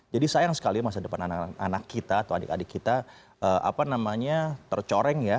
jadi sayang sekali masa depan anak kita atau adik adik kita tercoreng ya